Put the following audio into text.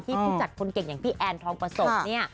ผู้จัดคนเก่งอย่างพี่แอนทองประสบเนี่ย